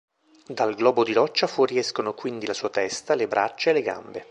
Dal globo di roccia fuoriescono quindi la sua testa, le braccia e le gambe.